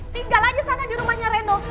tinggal aja sana di rumahnya reno